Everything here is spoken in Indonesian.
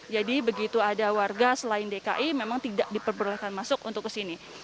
jadi begitu ada warga selain dki memang tidak diperbolehkan masuk untuk ke sini